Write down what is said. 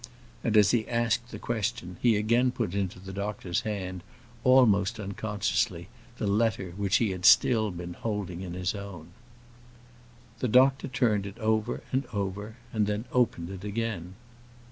And as he asked the question, he again put into the doctor's hand, almost unconsciously, the letter which he had still been holding in his own. The doctor turned it over and over, and then opened it again.